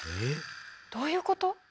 どういうこと？